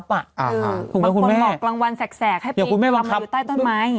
บางคนหลอกรางวัลแสกให้ปีกลำไหนอยู่ใต้ต้นไม้อย่างเงี้ย